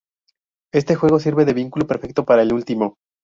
Este juego sirve de vínculo perfecto para el último.